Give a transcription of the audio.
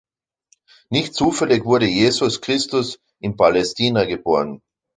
Nicht zufällig wurde Jesus Christus in Palästina geboren!